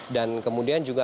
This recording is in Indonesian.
dan kemudian juga